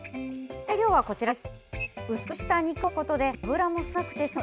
材料はこちらです。